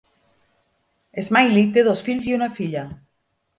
Smiley té dos fills i una filla.